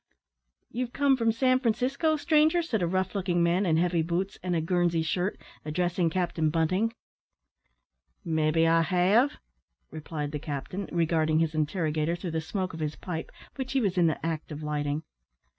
"You've come from San Francisco, stranger?" said a rough looking man, in heavy boots, and a Guernsey shirt, addressing Captain Bunting. "Maybe I have," replied the captain, regarding his interrogator through the smoke of his pipe, which he was in the act of lighting.